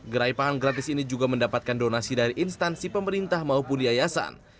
gerai pangan gratis ini juga mendapatkan donasi dari instansi pemerintah maupun yayasan